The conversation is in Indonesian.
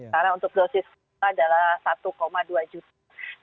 karena untuk dosis pertama adalah satu dua juta